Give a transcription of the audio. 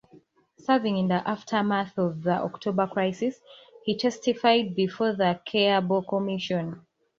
Serving in the aftermath of the October Crisis, he testified before the Keable commission.